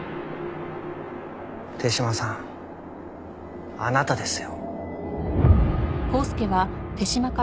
手嶌さんあなたですよ。